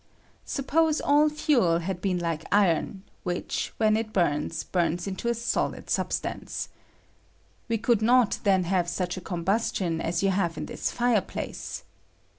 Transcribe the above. Suppose all fuel had been like iron, which, when it bums, bums into a solid substance. We could not then have such a combustion as you have in this fireplace.